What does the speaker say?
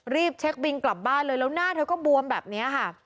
รีบเช็คบินกลับบ้านเลยแล้วหน้าเธอก็บวมแบบนี้ค่ะ